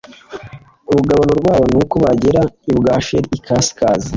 rugabano rwabo Nuko bagera i Bwasheri ikasikazi